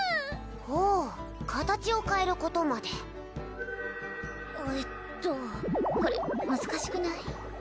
ほう形を変えることまでえっとこれ難しくない？